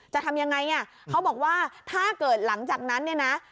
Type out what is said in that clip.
จะทำยังไงอ่ะเขาบอกว่าถ้าเกิดหลังจากนั้นเนี่ยนะ